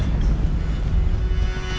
satu hal lagi